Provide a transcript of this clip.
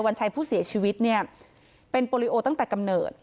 วันชัยผู้เสียชีวิตเนี่ยเป็นโปรลิโอตั้งแต่กำเนิด